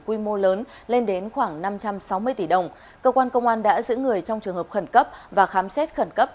quy mô lớn lên đến khoảng năm trăm sáu mươi tỷ đồng cơ quan công an đã giữ người trong trường hợp khẩn cấp và khám xét khẩn cấp